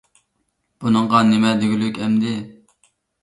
بۇنىڭغا نېمە دېگۈلۈك ئەمدى!